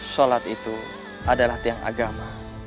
sholat itu adalah tiang agama